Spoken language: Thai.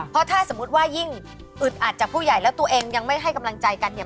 เพราะถ้าสมมุติว่ายิ่งอึดอัดจากผู้ใหญ่แล้วตัวเองยังไม่ให้กำลังใจกันเนี่ย